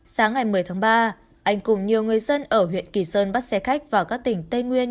sáng ngày một mươi tháng ba anh cùng nhiều người dân ở huyện kỳ sơn bắt xe khách vào các tỉnh tây nguyên